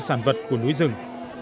sản vật của núi rừng